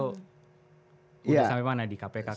udah sampai mana di kpk kemarin